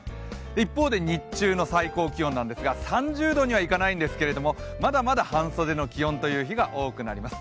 一方で日中の最高気温なんですが３０度はいかないんですがまだまだ半袖の気温という日が多くなります。